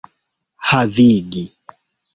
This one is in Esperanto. havigi